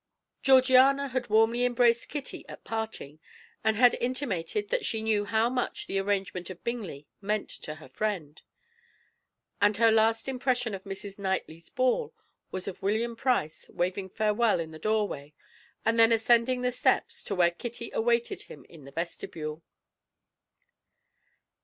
Georgiana had warmly embraced Kitty at parting, and had intimated that she knew how much the arrangement by Bingley meant to her friend; and her last impression of Mrs. Knightley's ball was of William Price waving farewell in the doorway and then ascending the steps to where Kitty awaited him in the vestibule.